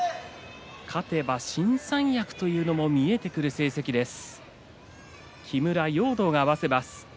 勝てば新三役というのも見えてくる成績です。